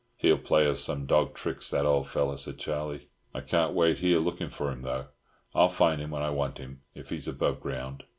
"He'll play us some dog's trick, that old fellow," said Charlie. "I can't wait here looking for him, though. I'll find him when I want him if he's above ground.